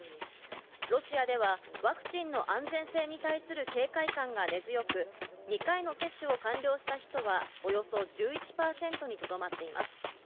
ロシアではワクチンの安全性に対する警戒感が根強く、２回の接種を完了した人はおよそ１１％にとどまっています。